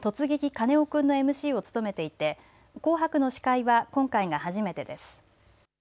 カネオくんのＭＣを務めていて紅白の司会は今回が初めてです。